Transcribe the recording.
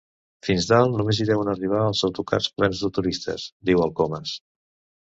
Fins dalt només hi deuen arribar els autocars plens de turistes —diu el Comas—.